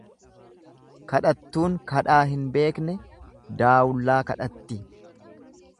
Kadhattuun kadhaa hin beekne daawullaa kadhatti.